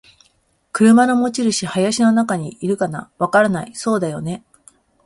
「車の持ち主。林の中にいるかな？」「わからない。」「そうだよね。」